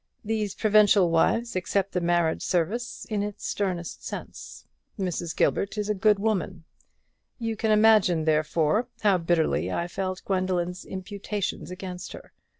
These provincial wives accept the marriage service in its sternest sense. Mrs. Gilbert is a good woman. You can imagine, therefore, how bitterly I felt Gwendoline's imputations against her.